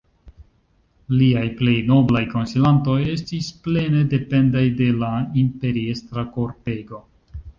Liaj plej noblaj konsilantoj estis plene dependaj de la imperiestra kortego.